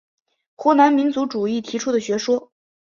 湖南民族主义提出的学说。